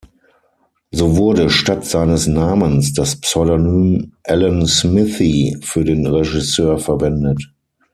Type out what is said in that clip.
So wurde statt seines Namens das Pseudonym Alan Smithee für den Regisseur verwendet.